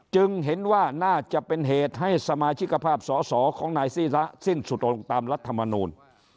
จึงเห็นว่าน่าจะเป็นเหตุให้สมาชิกภาพสอสอของนายซีซะสิ้นสุดลงตามรัฐมนูล